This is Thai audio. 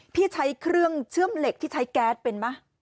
พี่ใช้เครื่องเชื่อมเหล็กที่ใช้แก๊สเป็นไหม